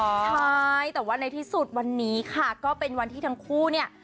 ใช่แต่ว่าในที่สุดวันนี้ค่ะก็เป็นวันที่ทั้งคู่เนี่ย